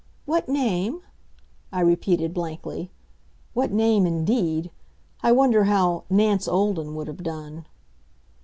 what name?" I repeated blankly. What name, indeed. I wonder how "Nance Olden" would have done.